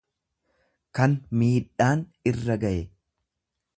kan miidhaan irra gaye.